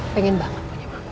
pengen banget punya mama